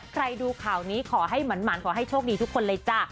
ใครดูข่าวนี้ขอให้หมั่นขอให้โชคดีทุกคนเลยจ้ะ